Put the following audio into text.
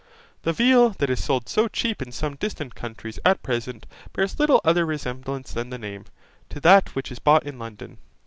The veal that is sold so cheap in some distant counties at present bears little other resemblance than the name, to that which is bought in London.